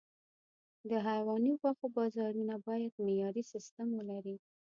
د حيواني غوښو بازارونه باید معیاري سیستم ولري.